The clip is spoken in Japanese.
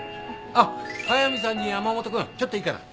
あっ速見さんに山本君ちょっといいかな？